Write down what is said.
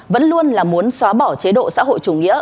vẫn luôn là muốn xóa bỏ chế độ xã hội chủ nghĩa